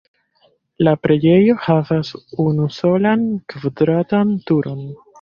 La preĝejo havas unusolan kvadratan turon.